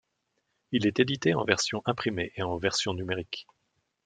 Il est édité en version imprimée et en version numérique.